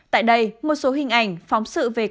tại đây một số hình ảnh phóng sự về công ty